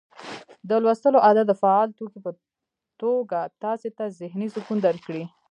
د لوستلو عادت د فعال توکي په توګه تاسي ته ذهني سکون درکړي